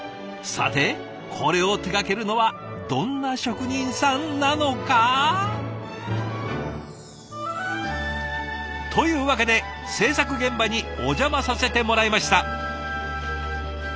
さてこれを手がけるのはどんな職人さんなのか？というわけで制作現場にお邪魔させてもらいました。